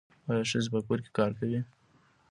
آیا ښځې په کور کې کار کوي؟